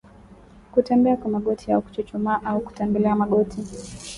Kutembea kwa magoti au kuchuchumaa au kutembelea magoti